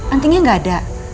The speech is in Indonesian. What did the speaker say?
antingnya gak ada